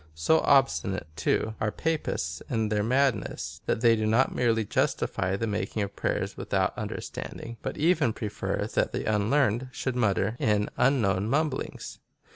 So obstinate, too, are Papists in their madness, that they do not merely justify the making of prayers without under standing, but even prefer that the unlearned should mutter in unknown mumblings.